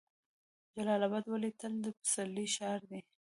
جلال اباد ولې د تل پسرلي ښار دی؟